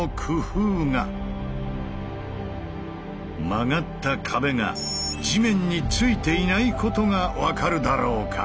曲がった壁が地面に着いていないことが分かるだろうか？